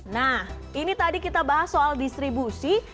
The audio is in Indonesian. nah ini tadi kita bahas soal distribusi